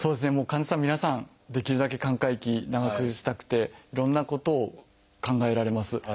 患者さん皆さんできるだけ寛解期長くしたくていろんなことを考えられます。